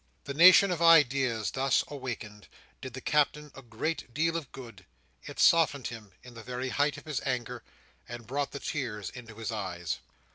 The nation of ideas, thus awakened, did the Captain a great deal of good; it softened him in the very height of his anger, and brought the tears into his eyes.